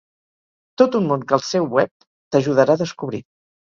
Tot un món que el seu web t'ajudarà a descobrir.